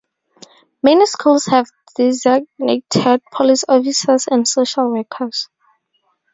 Many schools have designated police officers and social workers.